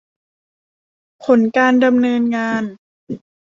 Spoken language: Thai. ผลการดำเนินงาน